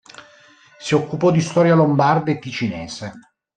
Si occupò di storia lombarda e ticinese.